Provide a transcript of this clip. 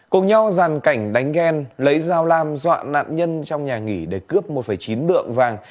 cùng nhau giàn cảnh đánh ghen lấy dao lam dọa nạn nhân trong nhà nghỉ để cướp một chín lượng vàng